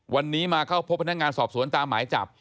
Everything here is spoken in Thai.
วันนี้มาเข้าพบพนักงานสอบสวนตามหมายจับ